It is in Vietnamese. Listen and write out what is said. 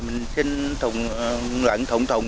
mình xin thùng